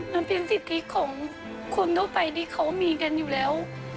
มันเป็นสิทธิของคนทั่วไปที่เขามีกันอยู่แล้ว